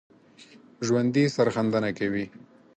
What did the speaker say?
ژوندي سرښندنه کوي